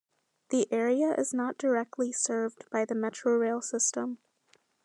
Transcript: The area is not directly served by the Metrorail system.